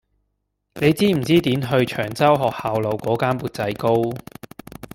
你知唔知點去長洲學校路嗰間缽仔糕